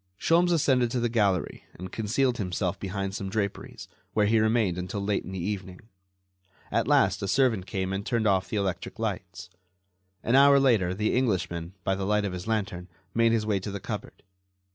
Sholmes ascended to the gallery and concealed himself behind some draperies, where he remained until late in the evening. At last a servant came and turned off the electric lights. An hour later the Englishman, by the light of his lantern, made his way to the cupboard.